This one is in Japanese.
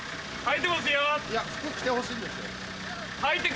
はい。